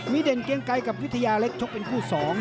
มีเด่นเกียงไกรกับวิทยาเล็กชกเป็นคู่๒